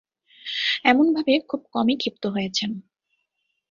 এমনভাবে খুব কমই ক্ষিপ্ত হয়েছেন।